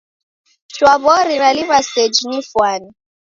Shwa w'ori naliw'a seji nifwane.